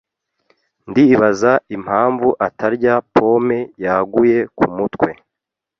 Ndibaza impamvu atarya pome yaguye kumutwe.